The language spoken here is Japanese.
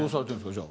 じゃあ。